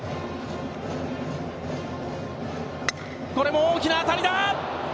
これも大きな当たりだ！